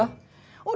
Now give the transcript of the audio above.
udah tau kok nanya